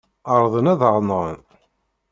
Ɛerḍen ad aɣ-nɣen.